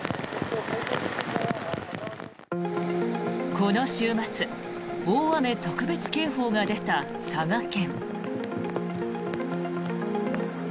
この週末、大雨特別警報が出た佐賀県。